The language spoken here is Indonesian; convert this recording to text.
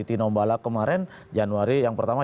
tinombala kemarin januari yang pertama